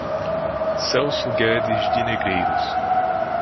Celso Guedes de Negreiros